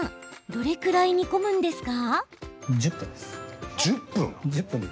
どれくらい煮込むんですか？